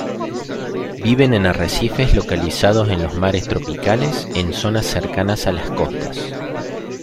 Viven en arrecifes localizados en los mares tropicales, en zonas cercanas a las costas.